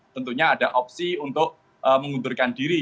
tentunya ada opsi untuk mengundurkan diri